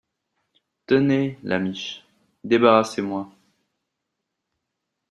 Tenez, Lamiche, débarrassez-moi.